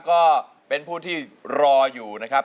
ก็เป็นผู้ที่รออยู่นะครับ